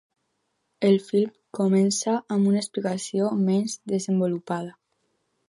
El film comença amb una explicació menys desenvolupada.